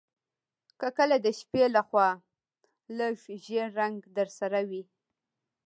که کله د شپې لخوا لږ ژیړ رنګ درسره وي